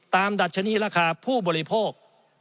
ดัชนีราคาผู้บริโภค